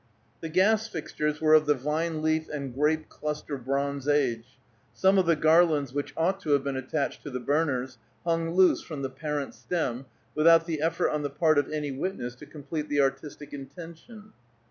The gas fixtures were of the vine leaf and grape cluster bronze age; some of the garlands which ought to have been attached to the burners, hung loose from the parent stem, without the effort on the part of any witness to complete the artistic intention.